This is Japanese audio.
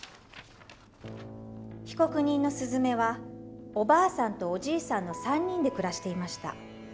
被告人のすずめはおばあさんとおじいさんの３人で暮らしていました。